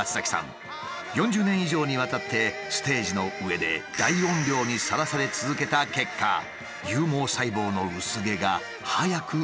４０年以上にわたってステージの上で大音量にさらされ続けた結果有毛細胞の薄毛が早く進んでしまったのだ。